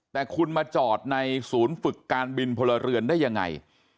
แต่คุณมาจอดในศูนย์ฝึกการบินพลเรือนได้ยังไง